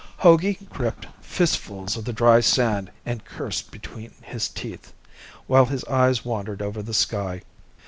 Hogey gripped fistfuls of the dry sand and cursed between his teeth, while his eyes wandered over the sky.